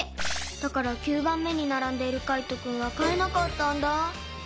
だから９ばんめにならんでいるカイトくんはかえなかったんだ。